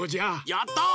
やった！